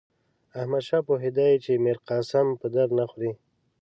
احمدشاه پوهېدی چې میرقاسم په درد نه خوري.